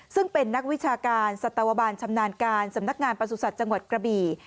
ซึ่งเป็นนักวิชาการสัตวบาลชำนาญการสำนักงานประสุทธิ์จังหวัดกระบี่